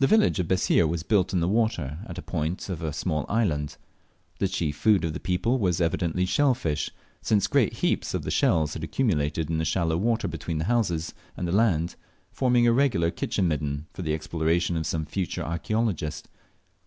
The village of Bessir was built in the water at the point of a small island. The chief food of the people was evidently shell fish, since great heaps of the shells had accumulated in the shallow water between the houses and the land, forming a regular "kitchen midden" for the exploration of some future archeologist.